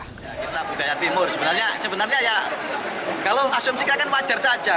kita budaya timur sebenarnya ya kalau asumsi kita kan wajar saja